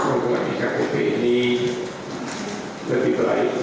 itu kepada saya terdiri sampai sekarang pada hari sebelumnya